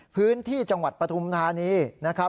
พื้นที่จังหวัดปฐุมธานีนะครับ